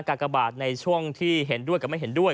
กากบาทในช่วงที่เห็นด้วยกับไม่เห็นด้วย